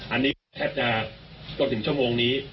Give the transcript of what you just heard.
อันนี้แทบจะจนถึงชั่วโมงนี้